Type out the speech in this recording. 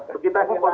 kita yang boleh